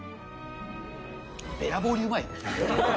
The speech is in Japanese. べらぼうにうまい！